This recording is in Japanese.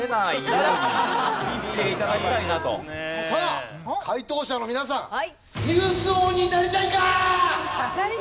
さあ解答者の皆さん。